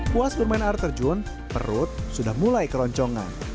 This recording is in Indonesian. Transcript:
puas bermain air terjun perut sudah mulai keroncongan